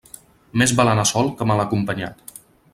Més val anar sol que mal acompanyat.